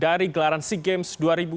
dari gelaran sea games dua ribu dua puluh